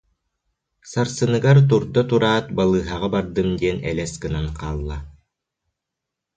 Сарсыныгар турда тураат, балыыһаҕа бардым диэн элэс гынан хаалла